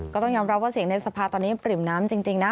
ก็ต้องยอมรับว่าเสียงในสภาตอนนี้ปริ่มน้ำจริงนะ